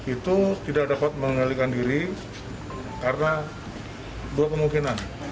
itu tidak dapat mengalihkan diri karena berpemungkinan